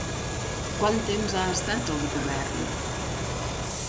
Quant temps ha estat al govern?